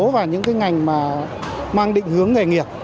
và những ngành mang định hướng nghề nghiệp